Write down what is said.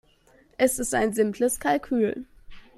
Es ist ein simples Kalkül.